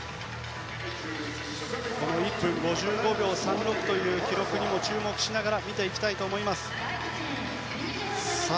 １分５５秒３６という記録にも注目しながら見ていきたいと思います。